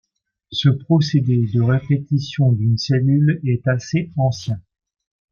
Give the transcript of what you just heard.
Ce procédé de répétition d'une cellule est assez ancien.